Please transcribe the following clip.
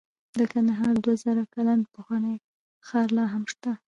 د کندهار دوه زره کلن پخوانی ښار لاهم شته